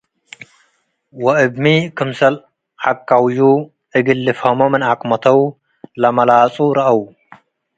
ወእብ ሚ ክምሰል ዐቀዉዩ እግል ልፍሀሞ ምን አቅመተው፡ ለመላጹ ረአው።